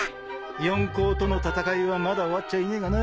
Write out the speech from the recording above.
四皇との戦いはまだ終わっちゃいねえがな。